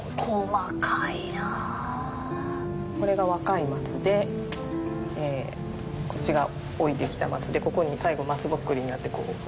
コレが若い松でえぇこっちが老いてきた松でココに最後松ぼっくりになってこう。